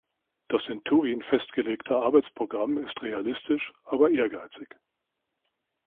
Das in Turin festgelegte Arbeitsprogramm ist realistisch, aber ehrgeizig.